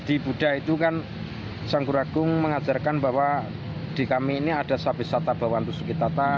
di buddha itu kan sangguragung mengajarkan bahwa di kami ini ada sabi sata bawang tusuk kita